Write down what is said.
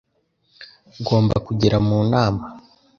Ngomba kugera mu nama